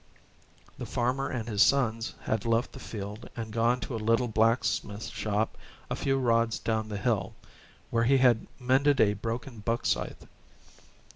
The farmer and his sons had left the field and gone to a little blacksmith shop a few rods down the hill, where he had mended a broken buck scythe.